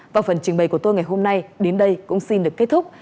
và phần trình bày của tôi ngày hôm nay đến đây cũng xin được kết thúc